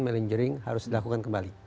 meledgering harus dilakukan kembali